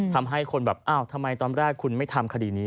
ทำให้คนแบบอ้าวทำไมตอนแรกคุณไม่ทำคดีนี้